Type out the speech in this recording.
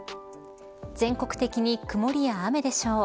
全国的に曇りや雨でしょう。